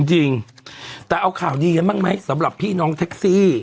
จริงแต่เอาข่าวดีกันบ้างไหมสำหรับพี่น้องแท็กซี่